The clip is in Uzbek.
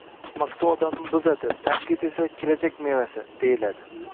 Maqtov odamni buzadi, tanqid esa kelajak mevasi, deyiladi.